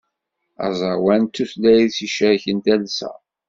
Aẓawan d tutlayt icerken talsa.